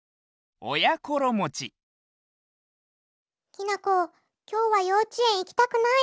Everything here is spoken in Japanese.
きなこきょうはようちえんいきたくない。